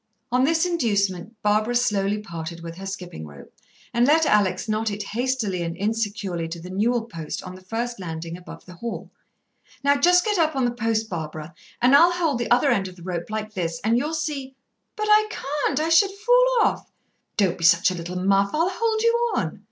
On this inducement Barbara slowly parted with her skipping rope, and let Alex knot it hastily and insecurely to the newel post on the first landing above the hall. "Now just get up on to the post, Barbara, and I'll hold the other end of the rope like this, and you'll see " "But I can't, I should fall off." "Don't be such a little muff; I'll hold you on."